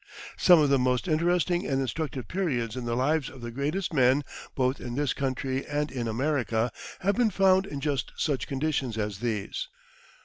Some of the most interesting and instructive periods in the lives of the greatest men, both in this country and in America, have been found in just such conditions as these.